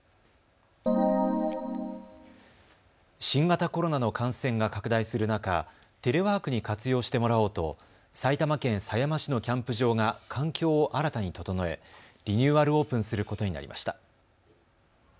新型コロナの感染が拡大する中、テレワークに活用してもらおうと埼玉県狭山市のキャンプ場が環境を新たに整えリニューアルオープンすることになりました。